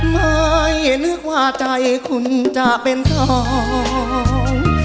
ไม่นึกว่าใจคุณจะเป็นทอง